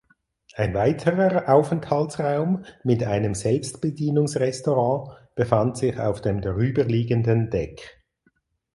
Ein weiterer Aufenthaltsraum mit einem Selbstbedienungsrestaurant befand sich auf dem darüberliegenden Deck.